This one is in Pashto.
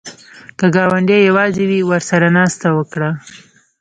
که ګاونډی یواځې وي، ورسره ناسته وکړه